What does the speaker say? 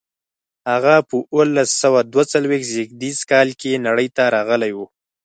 هغه په اوولس سوه دوه څلویښت زېږدیز کال کې نړۍ ته راغلی و.